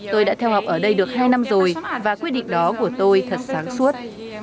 tôi đã theo học ở đây được hai năm rồi và quyết định đó của tôi thật sáng suốt